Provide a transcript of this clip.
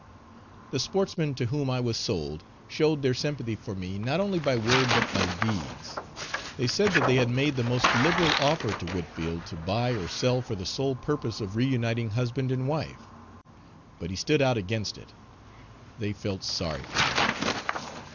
The sportsmen to whom I was sold, showed their sympathy for me not only by word but by deeds. They said that they had made the most liberal offer to Whitfield, to buy or sell for the sole purpose of reuniting husband and wife. But he stood out against it they felt sorry for me.